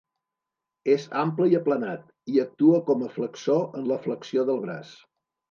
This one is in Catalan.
És ample i aplanat, i actua com a flexor en la flexió del braç.